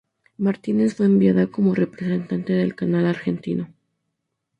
Martínez fue enviada como representante del canal argentino.